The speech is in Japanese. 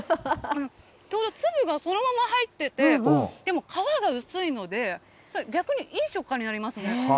粒がそのまま入ってて、でも皮が薄いので、逆にいい食感になりますね。